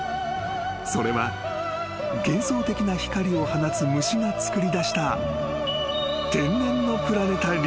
［それは幻想的な光を放つ虫がつくりだした］